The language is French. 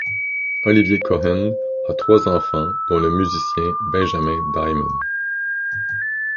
Olivier Cohen a trois enfants dont le musicien Benjamin Diamond.